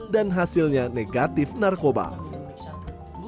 dan hal ini menyebabkan bintang emon menangkap bintang emon